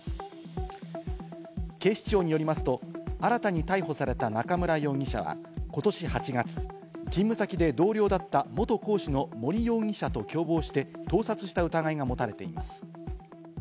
警視庁によりますと、新たに逮捕された中村容疑者はことし８月、勤務先で同僚だった元講師の森容疑者と共謀して盗撮した疑いが持たれています。